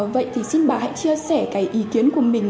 vậy thì xin bà hãy chia sẻ cái ý kiến của mình